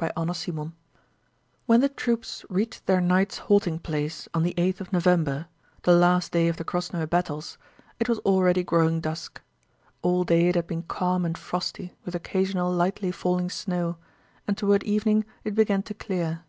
CHAPTER VII When the troops reached their night's halting place on the eighth of November, the last day of the Krásnoe battles, it was already growing dusk. All day it had been calm and frosty with occasional lightly falling snow and toward evening it began to clear.